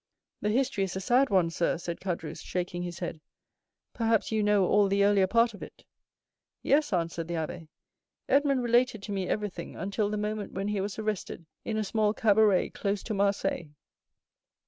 "The history is a sad one, sir," said Caderousse, shaking his head; "perhaps you know all the earlier part of it?" "Yes." answered the abbé; "Edmond related to me everything until the moment when he was arrested in a small cabaret close to Marseilles."